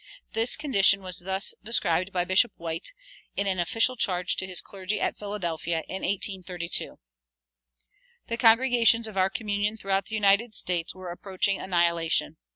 This condition was thus described by Bishop White, in an official charge to his clergy at Philadelphia in 1832: "The congregations of our communion throughout the United States were approaching annihilation.